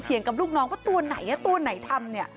กับลูกน้องว่าตัวไหนตัวไหนทำเนี่ย